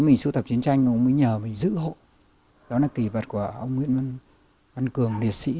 mình sưu tập chiến tranh mà ông mới nhờ mình giữ hộ đó là kỳ vật của ông nguyễn văn cường liệt sĩ